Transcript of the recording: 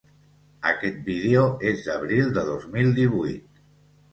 Aquest vídeo és d'abril de dos mil divuit.